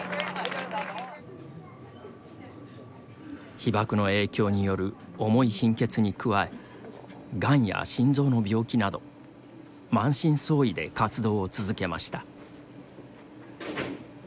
被爆の影響による重い貧血に加えがんや心臓の病気など満身創いで活動を続けました。